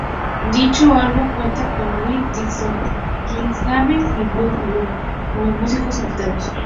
Dicho álbum cuenta con Willie Dixon, Clifton James y Buddy Guy como músicos invitados.